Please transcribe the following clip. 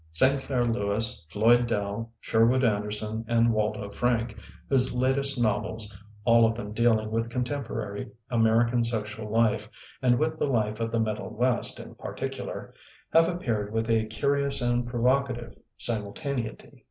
Sinclair Lewis, Floyd DeU, Sherwood Anderson, and Waldo Frank, whose latest novels — all of them dealing with contemporary American social life, and with the life of the middle west in particular — ^have appeared with a curious and provoca tive simultaneity.